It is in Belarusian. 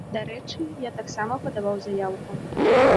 Дарэчы, я таксама падаваў заяўку.